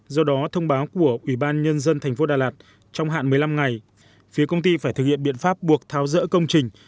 do đó thông báo của ubnd tp đà lạt trong hạn một mươi năm ngày phía công ty phải thực hiện biện pháp buộc tháo rỡ công trình